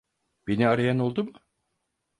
Beni arayan oldu mu?